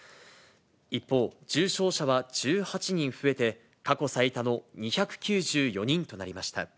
一方、重症者は１８人増えて、過去最多の２９４人となりました。